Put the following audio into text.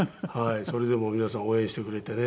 それでも皆さん応援してくれてね。